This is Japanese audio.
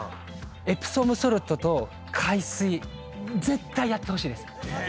エプソムソルトと海水絶対やってほしいです。